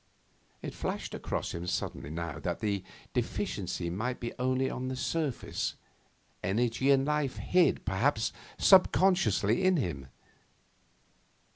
It flashed across him suddenly now that the 'deficiency' might be only on the surface. Energy and life hid, perhaps, subconsciously in him.